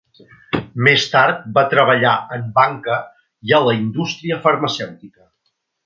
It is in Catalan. Més tard va treballar en banca i a la indústria farmacèutica.